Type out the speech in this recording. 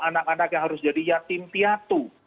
anak anak yang harus jadi yatim piatu